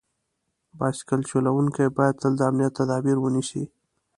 بایسکل چلونکي باید تل د امنیت تدابیر ونیسي.